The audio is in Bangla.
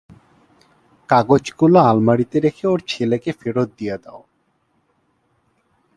কাগজগুলো আলমারিতে রেখে ওর ছেলেকে ফেরত দিয়ে দাও।